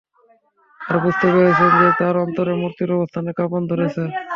তারা বুঝতে পেরেছেন যে, তার অন্তরে মূর্তির অবস্থানে কাঁপন ধরেছে।